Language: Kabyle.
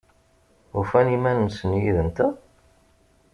Ufan iman-nsen yid-nteɣ?